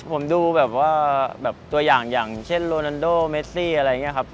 ผมดูแบบว่าแบบตัวอย่างอย่างเช่นโรนันโดเมซี่อะไรอย่างนี้ครับ